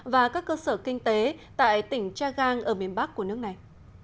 và các cơ sở kinh tế tại tỉnh chagang ở miền bắc của nước này